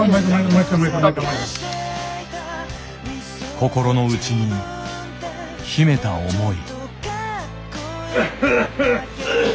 心の内に秘めた思い。